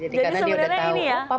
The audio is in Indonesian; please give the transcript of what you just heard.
jadi sebenarnya ini ya